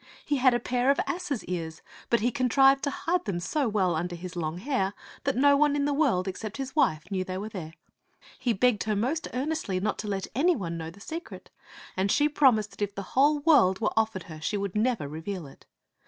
He had a pair of asses' ears, but he contrived to hide them so well under his long hair that no one in the world ex cept his wife knew they were there. He begged her most earnestly not to let any one know the secret, and she promised that if the whole world were offered her, she would never reveal it.